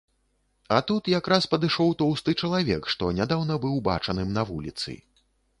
А тут якраз падышоў тоўсты чалавек, што нядаўна быў бачаным на вуліцы.